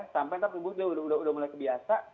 sampai ntar tubuh dia udah mulai kebiasa